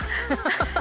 ハハハハ。